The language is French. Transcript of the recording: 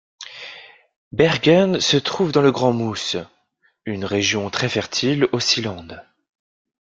Bargen se trouve dans le grand Moos, une région très fertile au Seeland.